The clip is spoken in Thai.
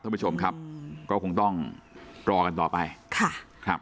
ท่านผู้ชมครับก็คงต้องรอกันต่อไปค่ะครับ